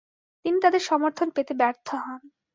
তিনি তাদের সমর্থন পেতে ব্যর্থ হন।